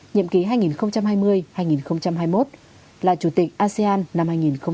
nhiệm ký hai nghìn hai mươi hai nghìn hai mươi một là chủ tịch asean năm hai nghìn hai mươi